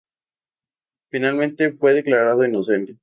Finalmente fue declarado inocente.